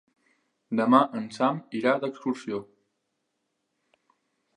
Demà en Sam irà d'excursió.